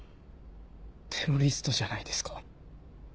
テロリストじゃないですか。